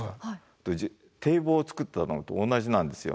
堤防を造ったのと同じなんですよ。